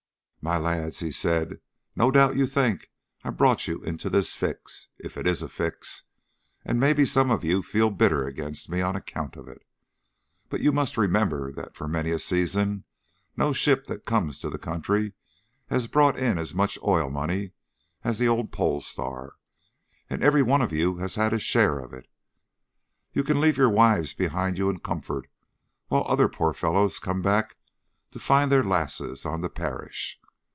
"My lads," he said, "no doubt you think I brought you into this fix, if it is a fix, and maybe some of you feel bitter against me on account of it. But you must remember that for many a season no ship that comes to the country has brought in as much oil money as the old Pole Star, and every one of you has had his share of it. You can leave your wives behind you in comfort while other poor fellows come back to find their lasses on the parish.